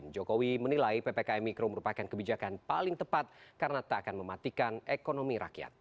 jokowi menilai ppkm mikro merupakan kebijakan paling tepat karena tak akan mematikan ekonomi rakyat